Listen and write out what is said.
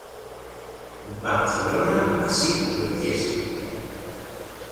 Barcelona así lo hiciese.